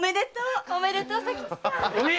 おめでとう佐吉さん。